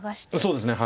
そうですね。